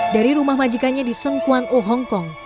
dari rumah majikannya di sengkuan u hongkong